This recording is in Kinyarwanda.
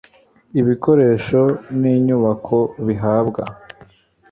ibikoresho n inyubako bihabwa